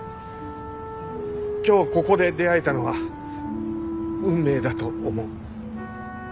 今日ここで出会えたのは運命だと思う。